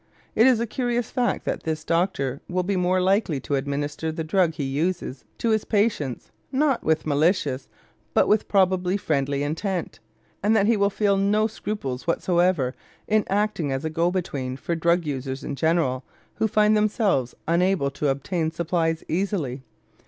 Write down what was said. It is a curious fact that this doctor will be more than likely to administer the drug he uses to his patients, not with malicious, but with probably friendly, intent, and that he will feel no scruples whatsoever in acting as a go between for drug users in general who find themselves unable to obtain supplies easily.